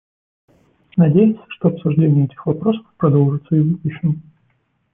Надеемся, что обсуждение этих вопросов продолжится и в будущем.